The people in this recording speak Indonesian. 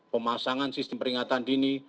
pemasangan sistem peringatan dini